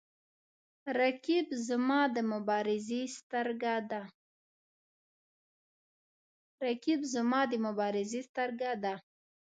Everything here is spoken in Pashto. رقیب زما د مبارزې سترګې ده